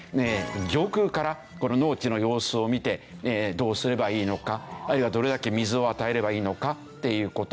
上空から農地の様子を見てどうすればいいのかあるいはどれだけ水を与えればいいのかっていう事。